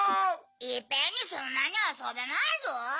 いっぺんにそんなにあそべないゾウ。